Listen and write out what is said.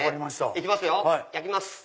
行きますよ焼きます！